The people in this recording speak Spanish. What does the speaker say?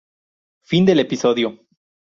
Fin del episodio.